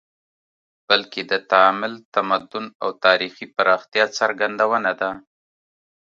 بلکې د تعامل، تمدن او تاریخي پراختیا څرګندونه ده